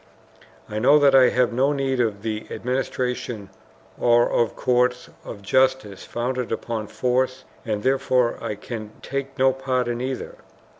I know that I have no need of the administration or of courts of justice founded upon force, and therefore I can take no part in either.